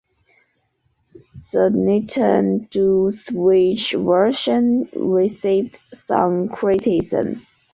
The Nintendo Switch version received some criticism.